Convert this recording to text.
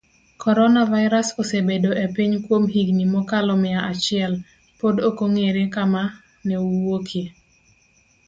corona virus osebedo epiny kuom higini mokalo mia achiel, pod okong'ere kama neowuokie,